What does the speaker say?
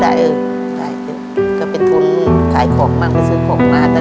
ทับผลไม้เยอะเห็นยายบ่นบอกว่าเป็นยังไงครับ